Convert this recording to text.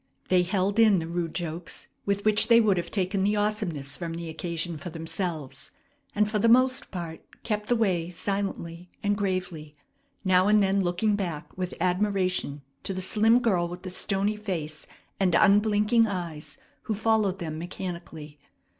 They held in the rude jokes with which they would have taken the awesomeness from the occasion for themselves, and for the most part kept the way silently and gravely, now and then looking back with admiration to the slim girl with the stony face and unblinking eyes who followed them mechanically.